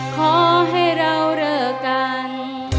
ขอให้เราเลิกกัน